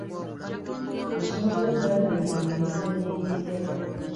Ku ssomero twazannyanga emizannyo egy’enjawulo.